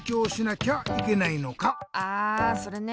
ああそれね。